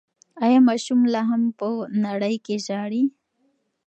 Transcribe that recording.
ایا ماشوم لا هم په انړۍ کې ژاړي؟